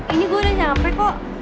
ini gue udah capek kok